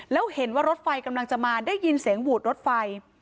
แล้วเห็นว่ารถไฟกำลังจะมาได้ยินเสียงหวูดรถไฟ